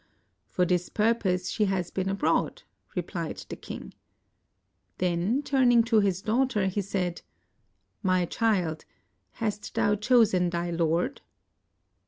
"For this purpose she has been abroad," repHed the king. Then, turning to his daughter, he said, "My child, hast thou chosen thy lord?"